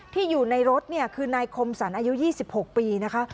ที่อยู่ในรถคือนายคมสันอายุ๒๖ปีนะคะ